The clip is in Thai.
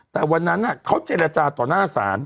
แต่วันนั้นอ่ะเค้าเจรจาต่อหน้าสาร